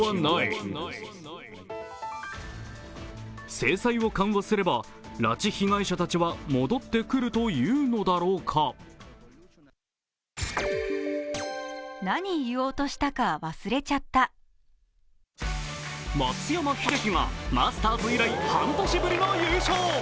制裁を緩和すれば拉致被害者たちは戻ってくるというのだろうか松山英樹がマスターズ以来半年ぶりの優勝。